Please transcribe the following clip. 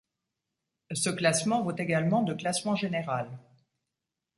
Ce classement vaut également de classement général.